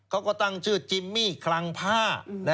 เขาก็ตั้งชื่อจิมมี่คลังผ้า